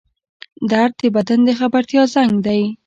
درد د بدن د خبرتیا زنګ دی